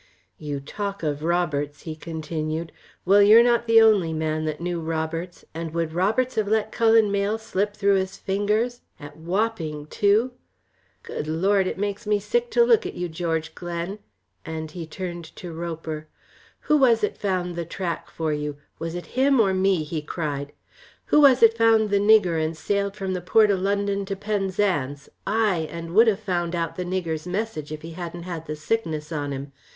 "You talk of Roberts," he continued, "well you're not the only man that knew Roberts, and would Roberts have let Cullen Mayle slip through his fingers at Wapping too? Good Lord, it makes me sick to look at you, George Glen!" and he turned to Roper, "Who was it found the track for you; was it him or me?" he cried. "Who was it found the nigger and sailed from the port o' London to Penzance, ay, and would ha' found out the nigger's message if he hadn't had the sickness on him.